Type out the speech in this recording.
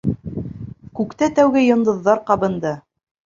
Күктә тәүге йондоҙҙар ҡабынды.